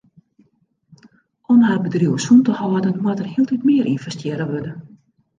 Om har bedriuw sûn te hâlden moat der hieltyd mear ynvestearre wurde.